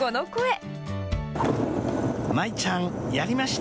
舞ちゃん、やりました。